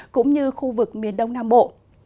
cũng như khu vực miền đông nam bộ